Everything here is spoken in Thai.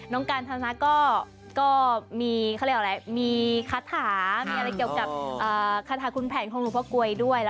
น้องกัลธันนะก็มีคาถามีอะไรเกี่ยวกับคาถาคุณแผนของหลวงพ่อกลวย